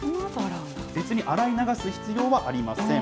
別に洗い流す必要はありません。